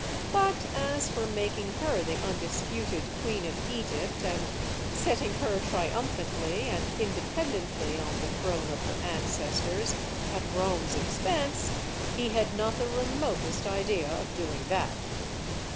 But as for making her the undisputed Queen of Egypt and setting her triumphantly and in dependently on the throne of her ancestors, at Rome's expense he had not the remotest idea of doing that.